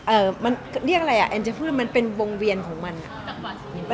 เอ่อมันเรียกอะไรอ่ะแอนจะพูดมันเป็นวงเวียนของมันอ่ะ